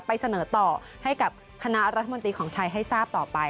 เสนอต่อให้กับคณะรัฐมนตรีของไทยให้ทราบต่อไป